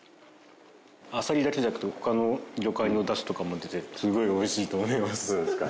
あさりだけじゃなくて他の魚介の出汁とかも出てすごいおいしいと思います。